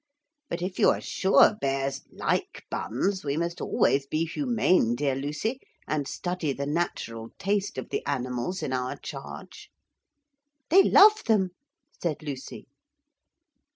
But if you are sure bears like buns we must always be humane, dear Lucy, and study the natural taste of the animals in our charge.' 'They love them,' said Lucy.